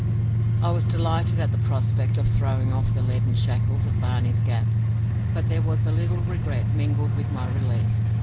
I was delighted at the prospect of throwing off the leaden shackles of Barney's Gap, but there was a little regret mingled with my relief.